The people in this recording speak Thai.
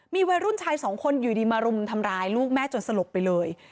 มีวัยรุ่นชายสองคนอยู่ดีมารุมทำร้ายลูกแม่จนสลบไปเลย